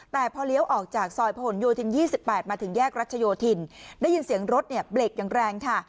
แต่พอเลี้ยวออกจากซอยผนโยธิน๒๘มาถึงแยกรัชโยธินได้ยินเสียงรถเนี่ยเบรกอย่างแรงค่ะ